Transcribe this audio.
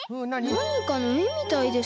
なにかのえみたいですね。